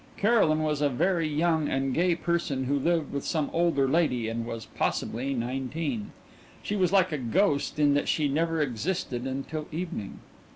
Caroline was a very young and gay person who lived with some older lady and was possibly nineteen. She was like a ghost in that she never existed until evening.